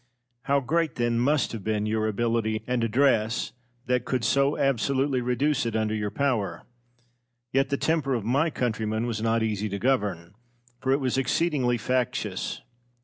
How great, then, must have been your ability and address that could so absolutely reduce it under your power! Yet the temper of my countrymen was not easy to govern, for it was exceedingly factious.